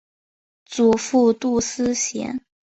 祖父杜思贤。